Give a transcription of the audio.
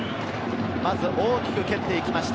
まず大きく蹴ってきました。